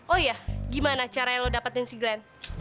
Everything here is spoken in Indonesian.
oh iya gimana caranya lo dapetin si glenn